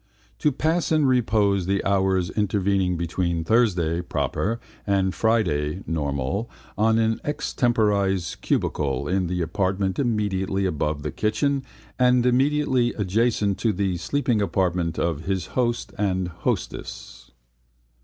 To pass in repose the hours intervening between Thursday (proper) and Friday (normal) on an extemporised cubicle in the apartment immediately above the kitchen and immediately adjacent to the sleeping apartment of his host and hostess.